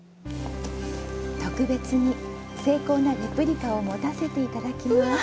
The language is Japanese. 特別に、精巧なレプリカを持たせていただきます。